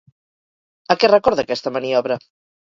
A què recorda aquesta maniobra?